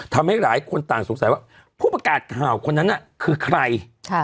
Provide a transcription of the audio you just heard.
ทำให้หลายคนต่างสงสัยว่าผู้ประกาศข่าวคนนั้นน่ะคือใคร